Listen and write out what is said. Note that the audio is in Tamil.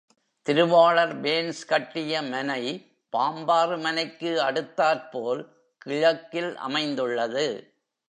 திருவாளர் பேன்ஸ் கட்டிய மனை பாம்பாறு மனைக்கு அடுத்தாற் போல், கிழக்கில் அமைந்துள்ளது.